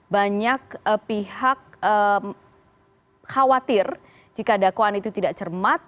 banyak pihak khawatir jika dakwaan itu tidak cermat